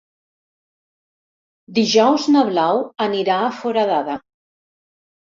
Dijous na Blau anirà a Foradada.